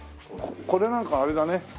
これなんかあれだね。